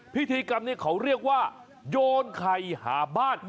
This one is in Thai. พิธีกรรมนี้เขาเรียกว่าโยนไข่หาบ้าน